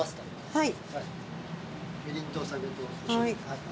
はい。